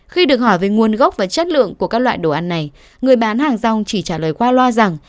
khi được hỏi về nguồn gốc và chất lượng của các loại đồ ăn này người bán hàng rong chỉ trả lời qua loa rằng